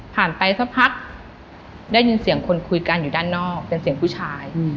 ไปสักพักได้ยินเสียงคนคุยกันอยู่ด้านนอกเป็นเสียงผู้ชาย